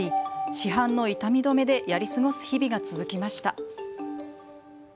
市販の痛み止めでやり過ごす日々が続きました。